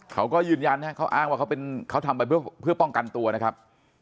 เขาก็ยืนยันว่าเขาทำไปเพื่อป้องกันตัวนะครับ